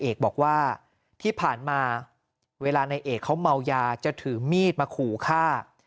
เอกบอกว่าที่ผ่านมาเวลาในเอกเขาเมายาจะถือมีดมาขู่ฆ่า